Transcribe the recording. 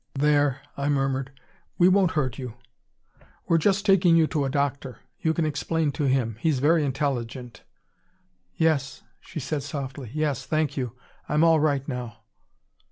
"There," I murmured. "We won't hurt you; we're just taking you to a doctor. You can explain to him. He's very intelligent." "Yes," she said softly. "Yes. Thank you. I'm all right now."